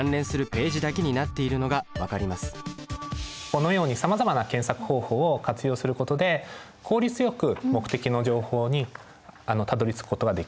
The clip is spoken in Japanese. このようにさまざまな検索方法を活用することで効率よく目的の情報にたどりつくことができるというところがありますね。